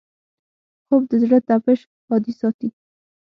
خوب د زړه تپش عادي ساتي